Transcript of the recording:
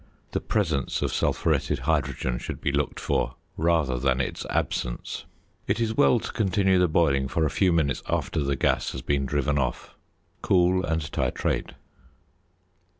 The presence of sulphuretted hydrogen should be looked for rather than its absence. It is well to continue the boiling for a few minutes after the gas has been driven off. Cool and titrate.